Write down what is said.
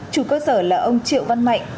chủ cơ sở là ông triệu văn mạnh